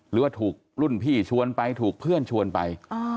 หรือว่าถูกรุ่นพี่ชวนไปถูกเพื่อนชวนไป